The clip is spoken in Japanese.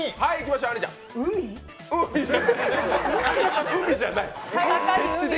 海じゃない。